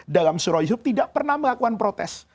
dalam surah yub tidak pernah melakukan protes